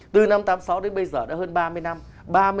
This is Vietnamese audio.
từ năm tám mươi sáu đến bây giờ đã hơn ba mươi năm